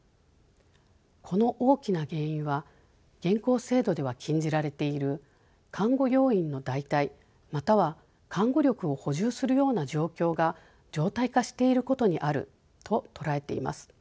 この大きな原因は現行制度では禁じられている看護要員の代替または看護力を補充するような状況が常態化していることにあると捉えています。